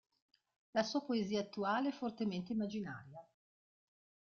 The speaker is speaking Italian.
La sua poesia attuale è fortemente immaginaria.